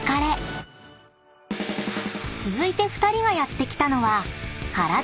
［続いて２人がやって来たのは］